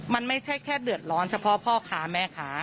มันไม่ใช่แค่เดือดร้อนเฉพาะพ่อค้าแม่ค้า